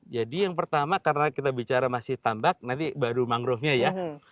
jadi yang pertama karena kita bicara masih tambak nanti baru mangrovenya ya